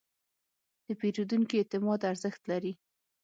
د پیرودونکي اعتماد ارزښت لري.